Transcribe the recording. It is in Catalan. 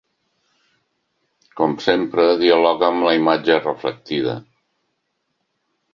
Com sempre, dialoga amb la imatge reflectida.